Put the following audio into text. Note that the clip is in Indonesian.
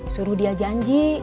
suruh dia janji